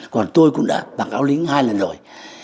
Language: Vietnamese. còn tôi cũng đã bằng áo lính hai lần rồi